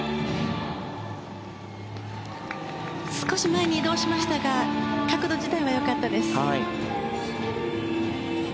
少し前に移動しましたが角度自体は良かったです。